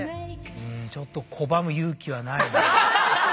うんちょっと拒む勇気はないな。